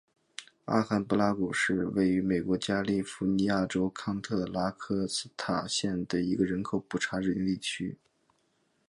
阿罕布拉谷是位于美国加利福尼亚州康特拉科斯塔县的一个人口普查指定地区。